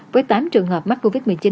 với tám trường hợp mắc covid một mươi chín